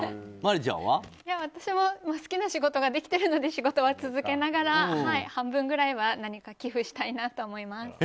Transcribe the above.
私も好きな仕事ができているので仕事は続けながら半分ぐらいは寄付したいなと思います。